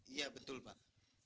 iya betul pak